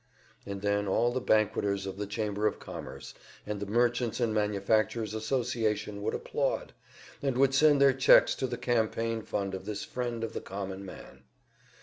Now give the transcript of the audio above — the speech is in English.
And then all the banqueters of the Chamber of Commerce and the Merchants' and Manufacturers' Association would applaud, and would send their checks to the campaign fund of this friend of the common man.